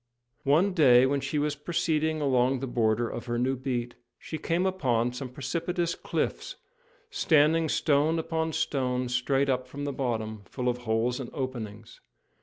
One day, when she was proceeding along the border of her new beat, she came upon some precipitous cliffs, standing stone upon stone straight up from the bottom, full of holes and openings.